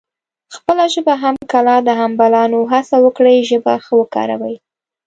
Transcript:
خپله ژبه هم کلا ده هم بلا نو هسه وکړی ژبه ښه وکاروي